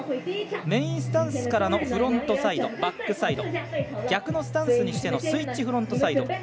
メインスタンスからのフロントサイド、バックサイド逆のスタンスにしてのスイッチフロントサイド。